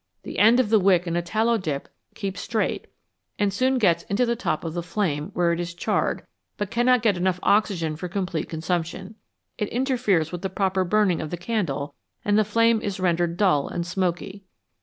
The end of the wick in a tallow dip keeps straight, and soon gets into the top of the flame, where it is charred, but cannot get enough oxygen for complete combustion ; it interferes with the proper burning of the candle and the flame is rendered dull and smoky.